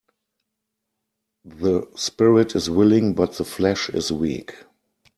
The spirit is willing but the flesh is weak.